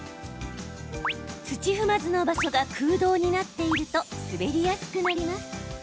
土踏まずの場所が空洞になっていると滑りやすくなります。